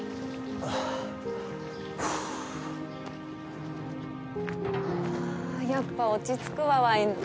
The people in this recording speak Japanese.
ああやっぱり落ち着くわワインの香り。